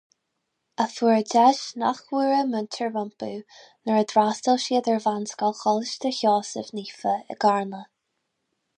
A fuair deis nach bhfuair a muintir rompu nuair a d'fhreastail siad ar mheánscoil Choláiste Sheosaimh Naofa i gCarna.